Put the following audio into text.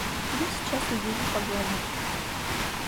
Я сейчас увижу по глазам.